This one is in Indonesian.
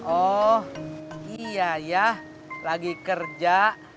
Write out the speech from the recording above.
oh iya ya lagi kerja